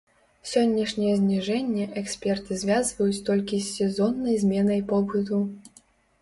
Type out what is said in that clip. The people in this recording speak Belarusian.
Сённяшняе зніжэнне эксперты звязваюць толькі з сезоннай зменай попыту.